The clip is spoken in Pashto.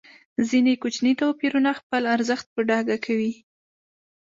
ځینې کوچني توپیرونه خپل ارزښت په ډاګه کوي.